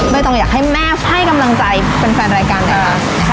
ไม่ต้องอยากให้แม่ให้กำลังใจเป็นแฟนรายการแหละครับ